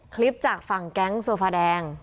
คลิปจากฝั่งแก๊งโซฟาแดง